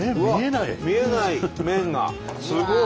見えない！